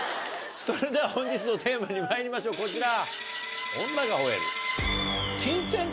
それでは本日のテーマにまいりましょうこちら。